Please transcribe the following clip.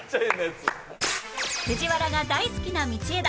藤原が大好きな道枝